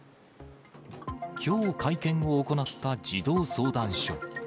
きょう会見を行った児童相談所。